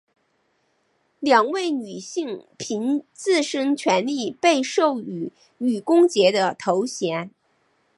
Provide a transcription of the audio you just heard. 两位女性凭自身权利被授予女公爵的头衔。